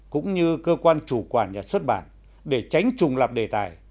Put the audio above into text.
cũng như cơ quan chủ quản nhà xuất bản để tránh trùng lập đề tài